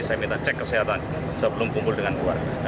saya minta cek kesehatan sebelum kumpul dengan keluarga